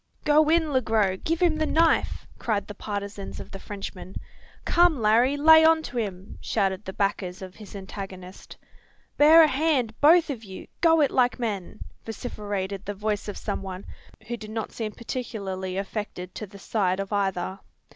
"Go in, Le Gros! give him the knife!" cried the partisans of the Frenchman. "Come, Larry! lay on to him!" shouted the backers of his antagonist. "Bear a hand, both of you! go it like men!" vociferated the voice of some one, who did not seem particularly affected to the side of either.